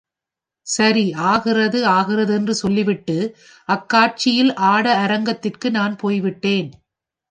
சரி, ஆகிறது ஆகிறதென்று சொல்லி விட்டு, அக்காட்சியில் ஆட அரங்கத்திற்கு நான் போய்விட்டேன்.